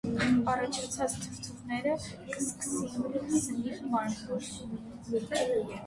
Առաջացած թրթուրները կը սկսին սնիլ մարմնով։